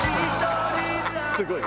すごい。